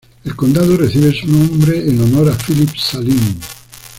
El condado recibe su nombre en honor a Philip Saline.